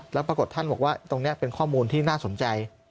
แล้วปรากฏท่านบอกว่าตรงนี้เป็นข้อมูลที่น่าสนใจ